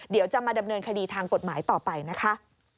เดี๋ยวจะมาดำเนินคดีทางกฎหมายต่อไปนะคะ